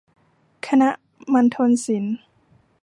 คณะมัณฑนศิลป์